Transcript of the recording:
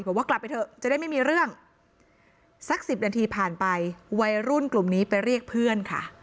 บอกว่ากลับไปเถอะจะได้ไม่มีเรื่องสักสิบนาทีผ่านไปวัยรุ่นกลุ่มนี้ไปเรียกเพื่อนค่ะ